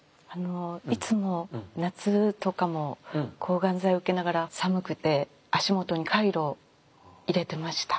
いつも夏とかも抗がん剤を受けながら寒くて足元にカイロを入れてました。